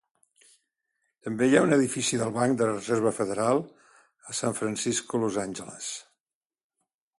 També hi ha un edifici del Banc de la Reserva Federal a San Francisco, Los Angeles.